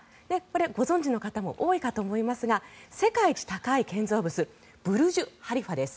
ご存じの方も多いかと思いますが世界一高い建造物ブルジュ・ハリファです。